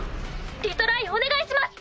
リトライお願いします！